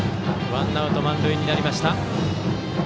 ワンアウト満塁になりました。